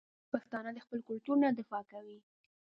پښتانه د خپل کلتور نه دفاع کوي.